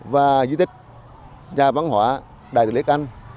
và chi tiết nhà văn hóa đại tưởng lê đức anh